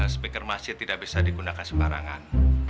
speker masih tidak bisa digunakan sembarangan